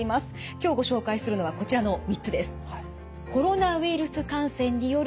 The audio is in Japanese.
今日ご紹介するのはこちらの３つです。